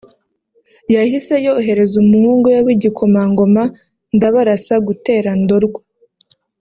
yahise yohereza umuhungu we w’Igikomangoma Ndabarasa gutera Ndorwa